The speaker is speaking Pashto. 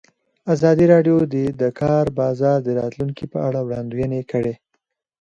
ازادي راډیو د د کار بازار د راتلونکې په اړه وړاندوینې کړې.